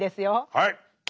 はい。